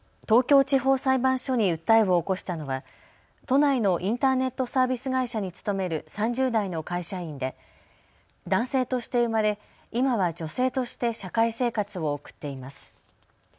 東京地方裁判所に訴えを起こしたのは都内のインターネットサービス会社に勤める３０代の会社員で男性として生まれ、今は女性として社会生活を送っています。